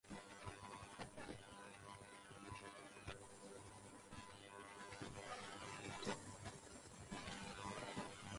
The edition was shortlisted in the Esports category for the European Sponsorship Awards.